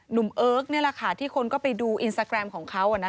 หนุ้มเอิ๊กซ์ที่คุณก็ไปดูอินสตร์แกรมของเขา